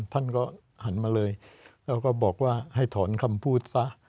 ท่านก็หันมาเลยแล้วก็บอกว่าให้ถอนคำพูดซะ